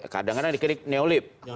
kadang kadang dikirik neolib